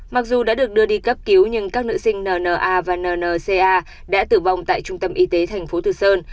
mặc dù đã được đưa đi cấp cứu nhưng các nữ sinh n n a và n n c a đã tử vong tại trung tâm y tế tp tử sơn